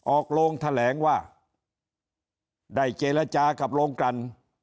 ออกโรงแถลงว่าได้เจรจากับโรงกัน